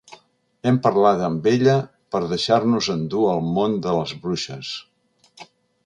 Hem parlat amb ella per deixar-nos endur al món de les bruixes.